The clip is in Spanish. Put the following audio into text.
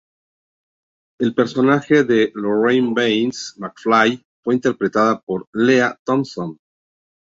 El personaje de Lorraine Baines McFly fue interpretada por Lea Thompson.